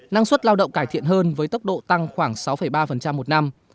năng suất lao động cải thiện hơn với tốc độ tăng khoảng sáu ba một năm